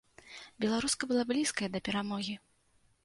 Беларуска была блізкая да перамогі.